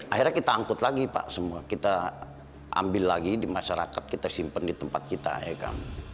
akhirnya kita angkut lagi pak semua kita ambil lagi di masyarakat kita simpan di tempat kita ya kan